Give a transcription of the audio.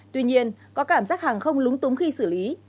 tuy nhiên có cảm giác hàng không lúng túng khi xử lý